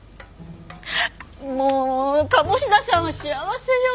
もう鴨志田さんは幸せよ！